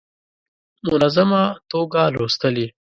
منظمه توګه لوستلې.